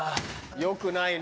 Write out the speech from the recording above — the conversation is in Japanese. よくないね。